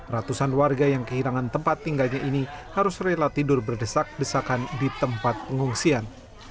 ratusan warga yang kehilangan tempat tinggalnya ini harus rela tidur berdesak desakan di tempat pengungsian